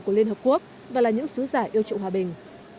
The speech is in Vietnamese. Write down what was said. của liên hợp quốc và là những xứ giải yêu trụ hòa bình